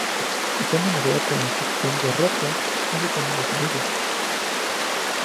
Está amenazada por la introducción de ratas, que se comen las semillas.